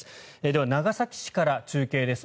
では、長崎市から中継です。